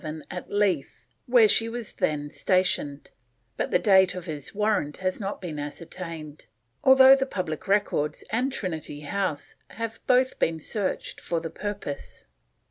Solebay on the 30th July 1757 at Leith, where she was then stationed, but the date of his warrant has not been ascertained, although the Public Records and Trinity House have both been searched for the purpose.